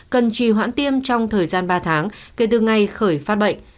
cần trì hoãn tiêm trong thời gian ba tháng kể từ ngày khởi phát bệnh